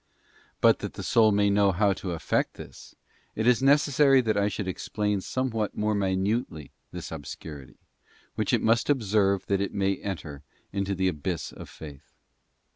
But that the soul may know how to effect this, it is necessary that I should explain somewhat more minutely this obscurity, which it must observe that it may enter into the abyss of faith.